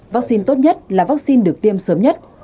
vaccine tốt nhất là vaccine được tiêm sớm nhất